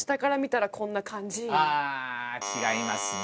あ違いますね。